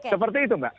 seperti itu mbak